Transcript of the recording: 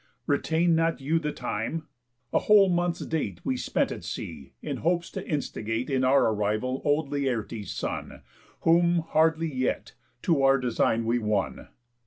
Retain not you the time? A whole month's date We spent at sea, in hope to instigate In our arrival old Laertes' son, Whom, hardly yet, to our design we won."